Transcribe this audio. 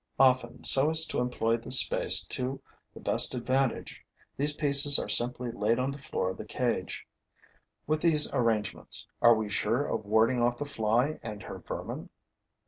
Often, so as to employ the space to the best advantage, these pieces are simply laid on the floor on the cage. With these arrangements, are we sure of warding off the fly and her vermin?